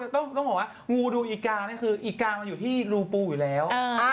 ต้องบอกว่างูดูอีกาอีกามันอยู่ที่รูปู่อยู่แล้ว